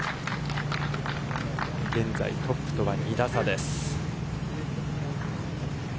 現在トップとは２打差です。